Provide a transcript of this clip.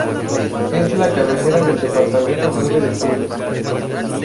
Es la cabecera del departamento Nueve de Julio.